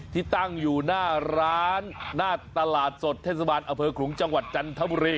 ที่ตั้งอยู่หน้าร้านหน้าตลาดสดเทศบาลอเภอขลุงจังหวัดจันทบุรี